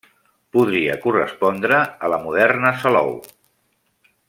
Podria correspondre a la moderna Salou.